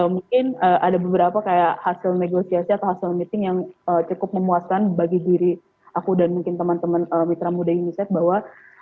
mungkin ada beberapa kayak hasil negosiasi atau hasil meeting yang cukup memuaskan bagi diri aku dan mungkin teman teman mitra muda indonesia bahwa